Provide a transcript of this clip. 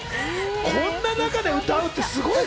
こんな中で歌うってすごい！